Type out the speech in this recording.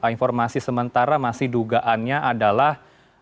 informasi sementara masih dugaannya adalah